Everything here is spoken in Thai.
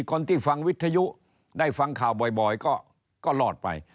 คนที่ฟังวิทยุได้ฟังข่าวบ่อยก็รอดไป